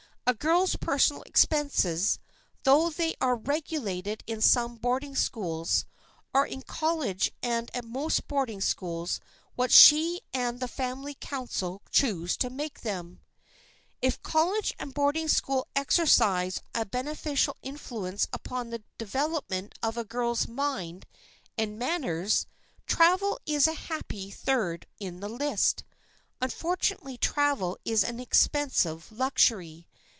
A girl's personal expenses, though they are regulated in some boarding schools, are in college and at most boarding schools what she and the family council choose to make them. [Sidenote: TRAVEL AS EDUCATION] If college and boarding school exercise a beneficial influence upon the development of a girl's mind and manners, travel is a happy third in the list. Unfortunately travel is an expensive luxury.